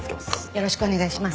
よろしくお願いします。